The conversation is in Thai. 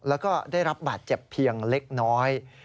แล้วก็ได้รับบาดเจ็บเพียงเล็กน้อย